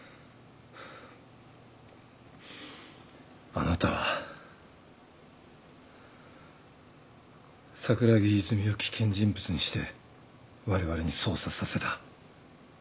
あなたは桜木泉を危険人物にしてわれわれに捜査させた。